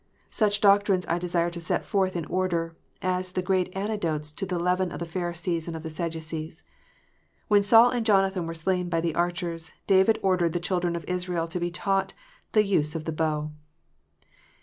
Such doctrines I desire to set forth in order, as the great antidotes to the leaven of the Pharisees and of the Sadducees. When Saul and Jonathan were slain by the archers, David ordered the children of Israel to be taught the use of the bow.